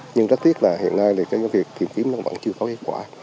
nhưng rất tiếc là hiện nay việc tìm kiếm vẫn chưa có kết quả